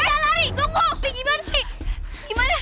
yaudah yuda gukejir pakai kuda aja ya